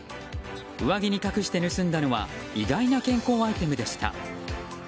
上着に隠して盗んだのは意外な健康アイテムでした。